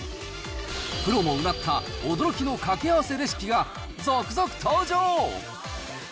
プロもうなった驚きの掛け合わせレシピが続々登場。